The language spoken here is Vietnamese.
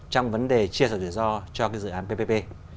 trong vấn đề chia sẻ rủi ro cho cái dự án ppp